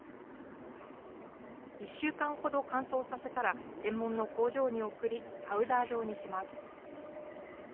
１週間ほど乾燥させたら、専門の工場に送り、パウダー状にします。